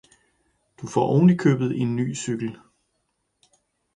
Du får ovenikøbet en ny cykel.